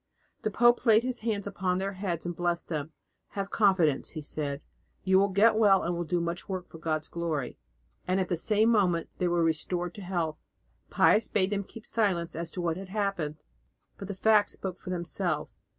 The pope laid his hands upon their heads and blessed them. "Have confidence," he said, "you will get well and will do much work for God's glory," and at the same moment they were restored to health. Pius bade them keep silence as to what had happened, but the facts spoke for themselves.